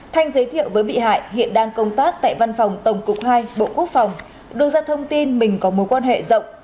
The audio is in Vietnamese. thanh giới thiệu với bị hại hiện đang công tác tại văn phòng tổng cục hai bộ quốc phòng đưa ra thông tin mình có mối quan hệ rộng